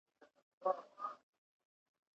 ¬ د ړندو په ښار کي يو سترگئ پاچا دئ.